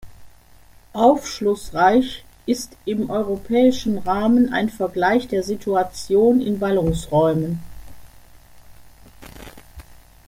Aufschlussreich ist im europäischen Rahmen ein Vergleich der Situation in Ballungsräumen.